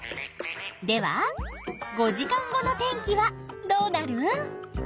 では５時間後の天気はどうなる？